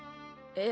え。